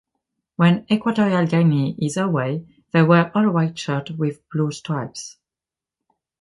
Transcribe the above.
When Equatorial Guinea is away, they wear all white shirt with blue stripes.